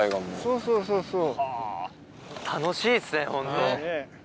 そうそうそうそう。